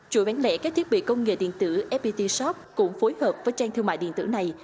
chuỗi bán lẻ các thiết bị công nghệ điện tử fpt shop cũng phối hợp với trang thương mại điện tử này